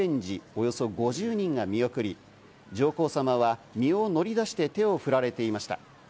およそ５０人が見送り、上皇さまは身を乗り出して、手を振られていました。